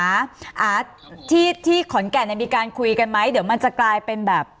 อาร์ตที่ขอนแก่นมีการคุยกันไหมเดี๋ยวมันจะกลายเป็นแบบ